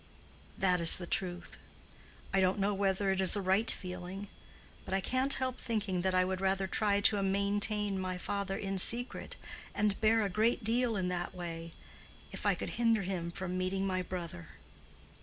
That is the truth. I don't know whether it is a right feeling. But I can't help thinking that I would rather try to maintain my father in secret, and bear a great deal in that way, if I could hinder him from meeting my brother."